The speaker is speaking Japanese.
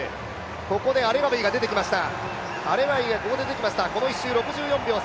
ここでアレガウィが出てきました。